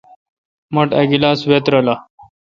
مٹھ ا گلاس وہ ترلہ۔